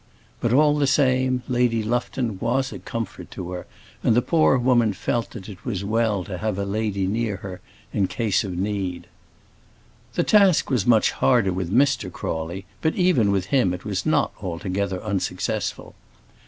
But, all the same, Lady Lufton was a comfort to her; and the poor woman felt that it was well to have a lady near her in case of need. The task was much harder with Mr. Crawley, but even with him it was not altogether unsuccessful.